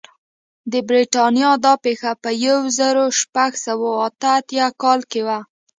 د برېټانیا دا پېښه په یو زرو شپږ سوه اته اتیا کال کې وه.